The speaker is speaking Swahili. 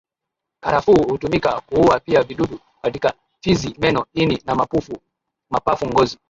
Karafuu hutumika kuua pia vidudu katika fizi meno ini na mapafu ngozi